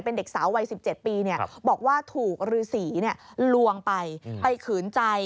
เป็นเด็กสาววัย๑๗ปีบอกว่าถูกฤษีลวงไปไปขืนใจ